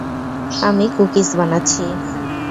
আমি কুকিজ বানাচ্ছি!